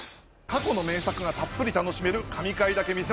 過去の名作がたっぷり楽しめる『神回だけ見せます！』